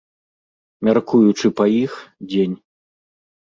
Мяркуючы па іх, дзень.